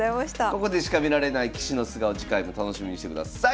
ここでしか見られない棋士の素顔次回も楽しみにしてください。